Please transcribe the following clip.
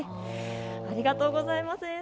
ありがとうございます。